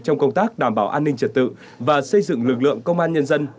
trong công tác đảm bảo an ninh trật tự và xây dựng lực lượng công an nhân dân